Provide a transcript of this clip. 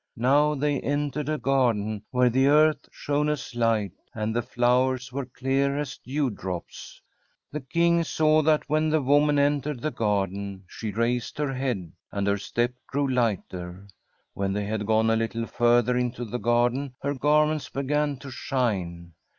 Now they entered a garden, where the earth shone as light and the flowers were clear as dewdrops. The King saw that when the woman entered the garden she raised her head, and her step grew lighter. When they had gone a little further into the garden her garments began to shine.